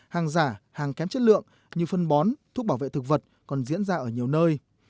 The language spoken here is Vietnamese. hàng giả hàng kém chất lượng như phân bón thuốc bảo vệ thực vật còn diễn ra ở nhiều nơi